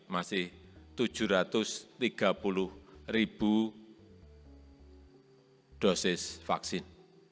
masih tujuh ratus tiga puluh ribu dosis vaksin